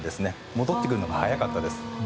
戻ってくるのが早かったです。